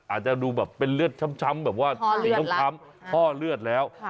อาจจะดูแบบเป็นเลือดช้ำแบบว่าสีคล้ำท่อเลือดแล้ว